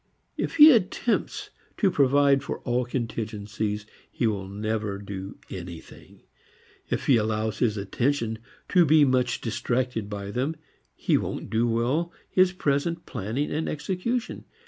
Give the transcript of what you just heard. If he attempts to provide for all contingencies, he will never do anything; if he allows his attention to be much distracted by them, he won't do well his present planning and execution.